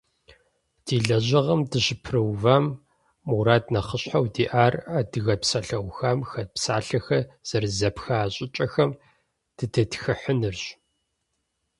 Ди лэжьыгъэм дыщыпэрыувэм мурад нэхъыщхьэу диӏар адыгэ псалъэухам хэт псалъэхэр зэрызэпха щӏыкӏэхэм дытетхыхьынырщ.